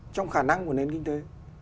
trong khả năng của nền kinh tế